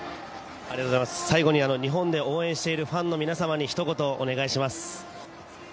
最後に日本で応援しているファンの皆様にひと言お願いします。